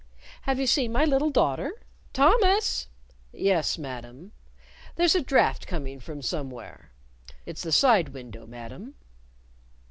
"Have you seen my little daughter? Thomas!" "Yes, Madam." "There's a draught coming from somewhere " "It's the side window, Madam."